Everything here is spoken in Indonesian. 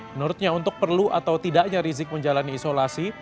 menurutnya untuk perlu atau tidaknya rizik menjalani isolasi